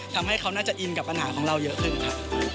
ทำให้เขาน่าจะอินกับปัญหาของเราเยอะขึ้นค่ะ